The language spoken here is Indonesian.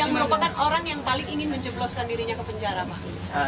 yang merupakan orang yang paling ingin menjebloskan dirinya ke penjara pak